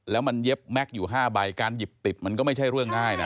แล้วมันเย็บแม็กซ์อยู่๕ใบการหยิบติดมันก็ไม่ใช่เรื่องง่ายนะ